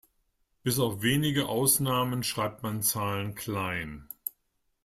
Bis auf wenige Ausnahmen schreibt man Zahlen klein.